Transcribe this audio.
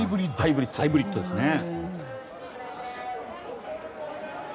ハイブリッドですね。